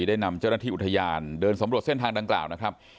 ได้นำเจ้าหน้าที่อุทยานเดินสำรวจเส้นทางดังกล่าวนะครับ